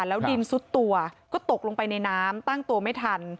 แล้วดินซุดตัวก็ตกลงไปในน้ำตั้งตัวไม่ทัน